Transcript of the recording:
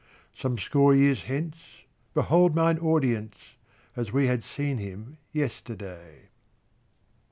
Some score years hence Behold mine audience, As we had seen him yesterday.